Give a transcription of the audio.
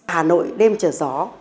hà nội đêm trở gió